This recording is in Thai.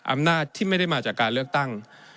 อำนาจที่ไม่ได้มาจากการเลือกตั้ง